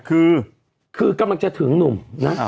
คือคือกำลังจะถึงหนุ่มนะ